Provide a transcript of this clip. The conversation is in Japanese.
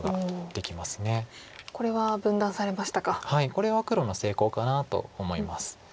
これは黒の成功かなと思います。